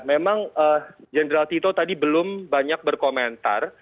memang jenderal tito tadi belum banyak berkomentar